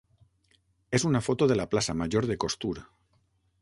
és una foto de la plaça major de Costur.